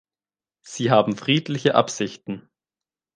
Sie haben friedliche Absichten.